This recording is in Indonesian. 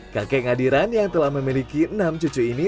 kakek ngadiran yang telah memiliki enam cucu ini